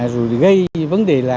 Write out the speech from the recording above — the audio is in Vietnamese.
rồi gây vấn đề là